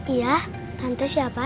iya tante siapa